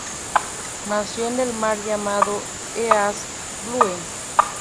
Nació en el mar llamado East Blue.